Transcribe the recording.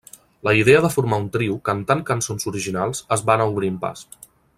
La idea de formar un trio, cantant cançons originals, es va anar obrint pas.